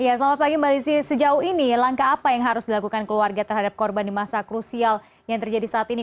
ya selamat pagi mbak lizzie sejauh ini langkah apa yang harus dilakukan keluarga terhadap korban di masa krusial yang terjadi saat ini